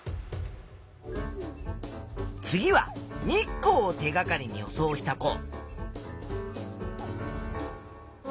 次は日光を手がかりに予想した子。